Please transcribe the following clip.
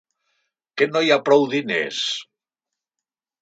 Que no hi ha prou diners?